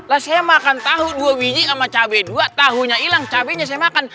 lah saya makan tahu dua biji sama cabai dua tahunya hilang cabainya saya makan